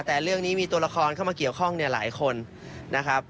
แต่เรื่องนี้มีตัวละครเข้ามาเกี่ยวข้องเนี่ยหลายคนนะครับ